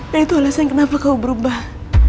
dan itu alasan kenapa kamu berubah